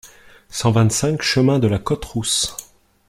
cent vingt-cinq chemin de la Côte Rousse